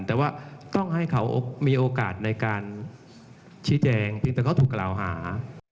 แต่ว่าต้องให้เขามีโอกาสในการชี้แจงเพียงแต่เขาถูกกล่าวหา